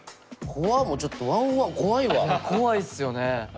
怖いっすよね。